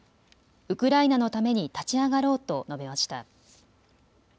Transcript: ウクライナのために立ち上がろうと述べました。